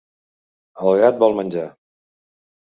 El gat vol menjar.